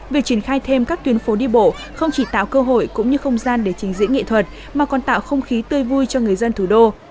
việc triển khai thêm các tuyến phố đi bộ không chỉ tạo cơ hội cũng như không gian để trình diễn nghệ thuật mà còn tạo không khí tươi vui cho người dân thủ đô